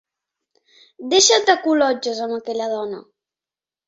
Deixa't de col·lotges amb aquella dona.